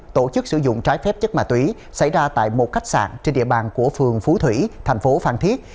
tổ chức sử dụng trái phép chất ma túy xảy ra tại một khách sạn trên địa bàn của phường phú thủy thành phố phan thiết